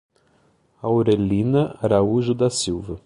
Aurelina Araújo da Silva